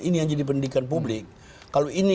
ini yang jadi pendidikan publik kalau ini